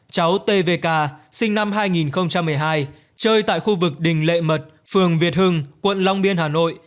cháu t v k sinh năm hai nghìn một mươi hai chơi tại khu vực đình lệ mật phường việt hưng quận long biên hà nội